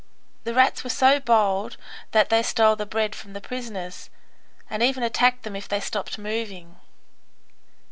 The rats were so bold that they stole the bread from the prisoners, and even attacked them if they stopped moving.